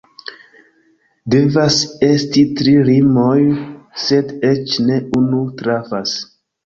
Devas esti tri rimoj, sed eĉ ne unu trafas.